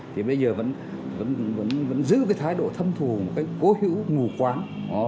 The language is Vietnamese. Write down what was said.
thì bây giờ vẫn giữ cái thái độ thân thù một cái cố hữu ngủ quán